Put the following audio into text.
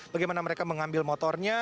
bagaimana mereka mengambil motornya